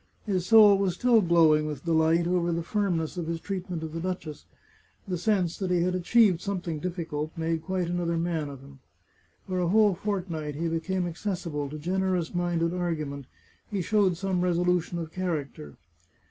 His soul was still glowing with delight over the firmness of his treat ment of the duchess. The sense that he had achieved some thing difficult made quite another man of him. For a whole fortnight he became accessible to generous minded argu ment ; he showed some resolution of character.